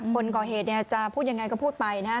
อืมนี่ค่ะคนก่อเหตุจะพูดอย่างไรก็พูดไปนะ